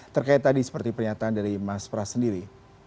terkait tadi seperti pernyataan dari mas pras sendiri